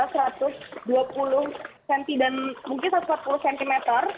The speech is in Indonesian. satu ratus dua puluh cm dan mungkin satu ratus empat puluh cm